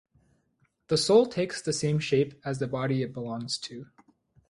The soul takes the same shape as the body it belongs to.